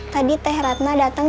tadi teh ratna datang